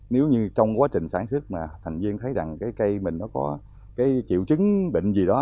nếu như trong quá trình sản xuất mà thành viên thấy rằng cái cây mình nó có cái triệu chứng bệnh gì đó